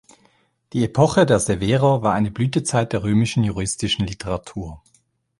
Die Epoche der Severer war eine Blütezeit der römischen juristischen Literatur.